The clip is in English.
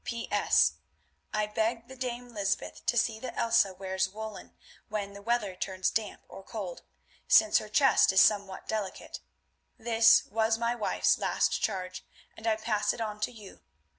"P.S. I beg the dame Lysbeth to see that Elsa wears woollen when the weather turns damp or cold, since her chest is somewhat delicate. This was my wife's last charge, and I pass it on to you.